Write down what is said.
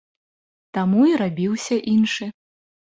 Таму і рабіўся іншы.